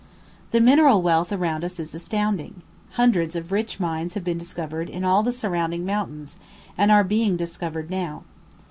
The mineral wealth around us is astounding, hundreds of rich mines have been discovered in all the surrounding mountains, and are being discovered now.